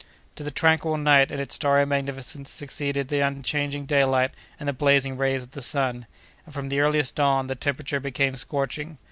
To the tranquil night and its starry magnificence succeeded the unchanging daylight and the blazing rays of the sun; and, from the earliest dawn, the temperature became scorching.